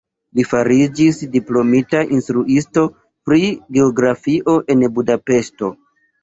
Li fariĝis diplomita instruisto pri geografio en Budapeŝto.